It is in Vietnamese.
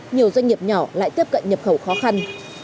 nhiều doanh nghiệp nhỏ lại tiếp cận nhập khẩu khó khăn